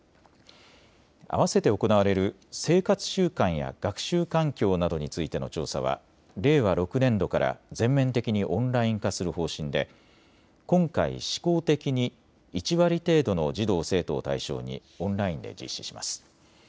あわせて行われる生活習慣や学習環境などについての調査は令和６年度から全面的にオンライン化する方針で今回、試行的に１割程度の児童生徒を対象にオンラインで実施します。